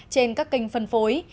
trên các kênh phân phối